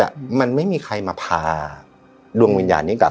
มันไม่มีใครมาพาดวงวิญญาณนี้กลับ